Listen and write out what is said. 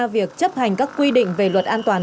việc chấp hành các quy định về luật an toàn